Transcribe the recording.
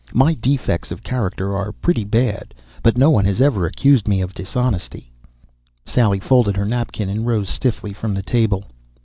My defects of character are pretty bad. But no one has ever accused me of dishonesty." Sally folded her napkin and rose stiffly from the table.